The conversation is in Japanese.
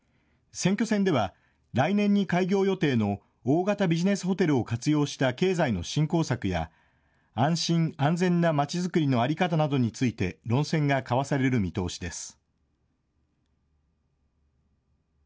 選挙戦では来年に開業予定の大型ビジネスホテルを活用した経済の振興策や安心・安全なまちづくりの在り方などについて論戦が交わされる見通しです。